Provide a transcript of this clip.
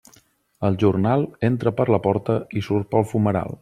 El jornal entra per la porta i surt pel fumeral.